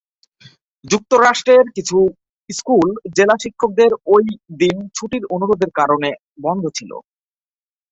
যুক্তরাষ্ট্রের কিছু স্কুল জেলা শিক্ষকদের ওই দিন ছুটির অনুরোধের কারণে বন্ধ ছিল।